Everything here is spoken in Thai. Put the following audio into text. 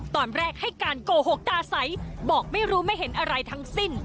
ตอนแรกให้การโกหกตาใสบอกไม่รู้ไม่เห็นอะไรทั้งสิ้น